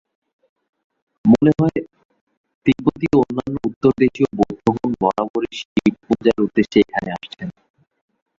মনে হয়, তিব্বতী ও অন্যান্য উত্তরদেশীয় বৌদ্ধগণ বরাবরই শিবপূজার উদ্দেশ্যে এখানে আসছেন।